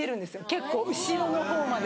結構後ろの方まで。